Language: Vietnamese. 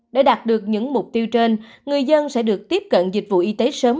để đạt được những mục tiêu trên người dân sẽ được tiếp cận dịch vụ y tế sớm